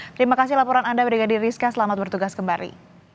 terima kasih laporan anda brigadir rizka selamat bertugas kembali